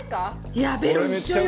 いやあベロ一緒よ！